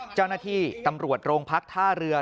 เจ้าหน้าที่ตำรวจโรงพักท่าเรือ